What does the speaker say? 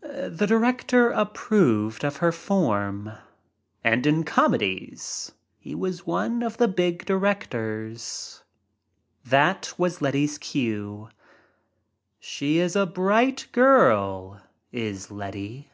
The director approved of her form^and in comedies he was onfe of the big directors. That was Letty's cue. She is a bright girl, is Letty.